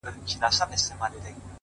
د حقیقت منل وجدان سپکوي